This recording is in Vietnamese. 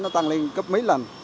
nó tăng lên cấp mấy lần